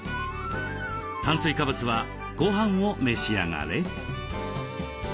炭水化物はごはんを召し上がれ。